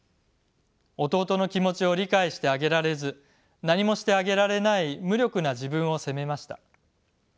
弟の気持ちを理解してあげられず何もしてあげられない無力な自分を責めました。